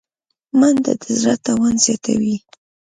منډه د زړه توان زیاتوي